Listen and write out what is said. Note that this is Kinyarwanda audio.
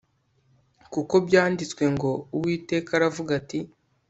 kuko byanditswe ngo uwiteka aravuga ati